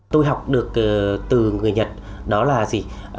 tôi học được từ người nhật đó là gì